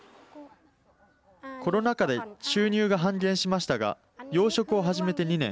コロナ禍で収入が半減しましたが養殖を始めて２年。